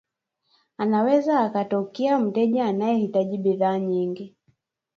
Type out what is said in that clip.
Anaweza akatokea mteja anayehitaji bidhaa nyingi